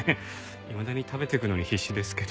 いまだに食べていくのに必死ですけど。